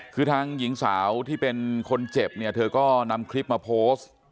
คือทางหญิงสาวที่เป็นคนเจ็บเนี่ยเธอก็นำคลิปมาโพสต์